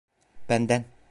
Benden.